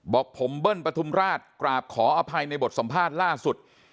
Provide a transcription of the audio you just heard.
บอกผมเบิ้ลปฐุมราชกราบขออภัยในบทสัมภาษณ์ล่าสุด